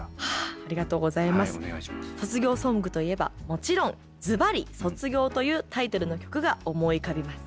「卒業ソングといえばもちろんずばり『卒業』というタイトルの曲が思い浮かびます。